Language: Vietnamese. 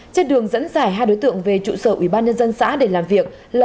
trên đường dẫn dài hai đối tượng về trụ sở ủy ban nhân dân xã để làm việc